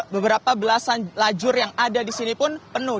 beberapa belasan lajur yang ada di sini pun penuh